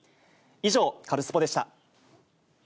以上、カルスポっ！でした。